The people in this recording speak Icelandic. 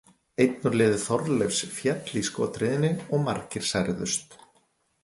Einn úr liði Þorleifs féll í skothríðinni og margir særðust.